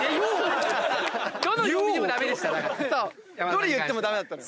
⁉どれ言っても駄目だったの。